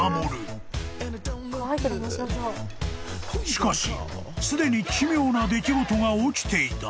［しかしすでに奇妙な出来事が起きていた］